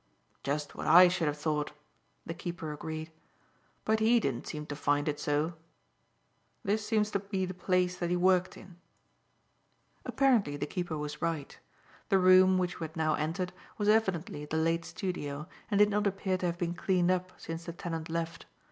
"Just what I should have thought," the keeper agreed. "But he didn't seem to find it so. This seems to be the place that he worked in." Apparently the keeper was right. The room, which we had now entered, was evidently the late studio, and did not appear to have been cleaned up since the tenant left.